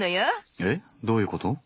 えっどういうこと？